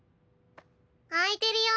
開いてるよ。